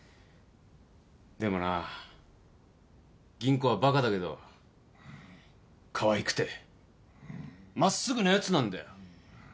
でもな吟子はバカだけどかわいくて真っすぐなやつなんだよ。